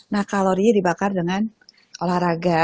nah kalorinya dibakar dengan olahraga